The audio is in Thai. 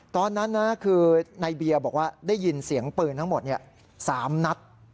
ตอนนั้นนะคือในเบียร์บอกว่าได้ยินเสียงปืนทั้งหมด๓นัด